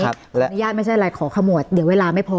อนุญาตไม่ใช่อะไรขอขมวดเดี๋ยวเวลาไม่พอ